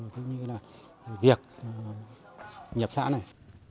cũng như là về việc nhập xã này